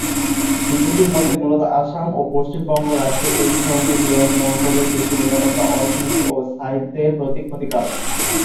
বিজেপির মতে মূলত অসম ও পশ্চিমবঙ্গ রাজ্যে এই ধরনের বেআইনি অনুপ্রবেশ দেশের নিরাপত্তা, অর্থনীতি ও স্থায়িত্বের প্রতি ক্ষতিকারক।